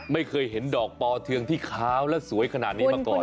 ไม่เคยเห็นดอกปอเทืองที่ขาวและสวยขนาดนี้มาก่อน